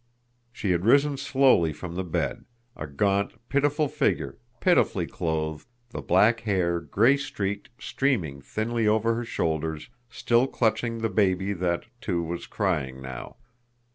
She had risen slowly from the bed a gaunt, pitiful figure, pitifully clothed, the black hair, gray streaked, streaming thinly over her shoulders, still clutching the baby that, too, was crying now.